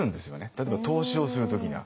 例えば投資をする時には。